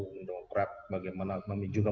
mendongkrap bagaimana juga